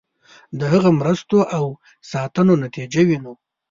د هغه مرستو او ساتنو نتیجه وینو.